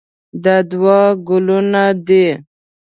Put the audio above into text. دا دوه ګلونه دي.